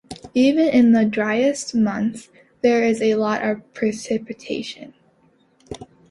Even in the driest months, there is a lot of precipitation.